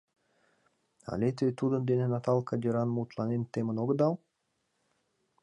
— Але те тудын дене Наталка деран мутланен темын огыдал?